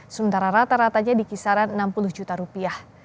sementara rata ratanya di kisaran enam puluh juta rupiah